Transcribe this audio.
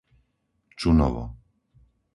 Čunovo